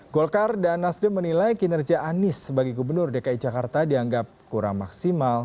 golkar dan nasdem menilai kinerja anies sebagai gubernur dki jakarta dianggap kurang maksimal